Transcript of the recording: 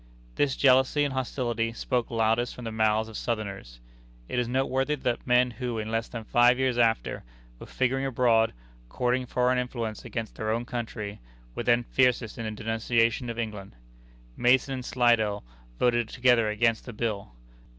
This jealousy and hostility spoke loudest from the mouths of Southerners. It is noteworthy that men who, in less than five years after, were figuring abroad, courting foreign influence against their own country, were then fiercest in denunciation of England. Mason and Slidell voted together against the bill.